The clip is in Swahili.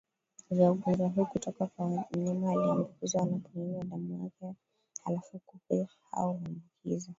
vya ugonjwa huu kutoka kwa mnyama aliyeambukizwa anaponyonywa damu yake Halafu kupe hao huambukiza